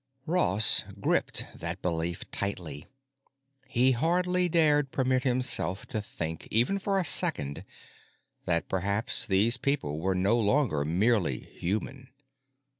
Ross gripped that belief tightly; he hardly dared permit himself to think, even for a second, that perhaps these people were no longer merely human.